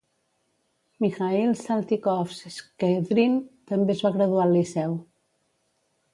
Mikhail Saltykov-Shchedrin també es va graduar al Liceu.